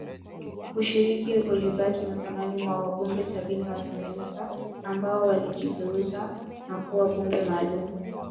Ushiriki ulibaki mikononi mwa wabunge sabini wa Tanganyika ambao walijigeuza na kuwa bunge maalum